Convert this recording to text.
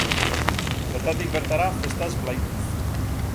Bertatik bertara festaz blaituz.